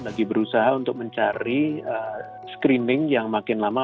lagi berusaha untuk mencari screening yang makin lama